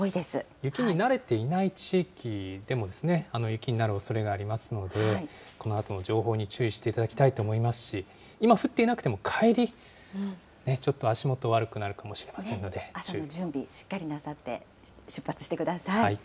雪に慣れていない地域でもですね、雪になるおそれがありますので、このあとの情報に注意していただきたいと思いますし、今、降っていなくても、帰り、ちょっと足元悪くなるかもしれませんの朝の準備しっかりなさって、出発してください。